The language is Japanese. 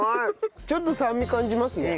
ちょっと酸味感じますね。